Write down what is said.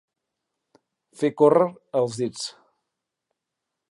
Fer córrer els dits.